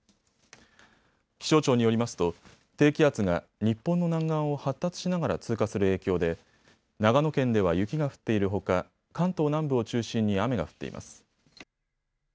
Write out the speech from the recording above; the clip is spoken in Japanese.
気象庁によりますと低気圧が日本の南岸を発達しながら通過する影響で長野県では雪が降っているほか関東南部を中心に雨が降っています。